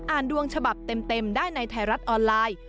ดวงฉบับเต็มได้ในไทยรัฐออนไลน์